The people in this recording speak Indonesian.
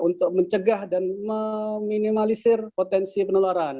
untuk mencegah dan meminimalisir potensi penularan